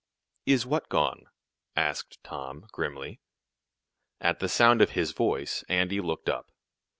"Is what gone?" asked Tom, grimly. At the sound of his voice, Andy looked up.